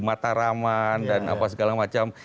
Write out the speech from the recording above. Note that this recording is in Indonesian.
mataraman dan segala macam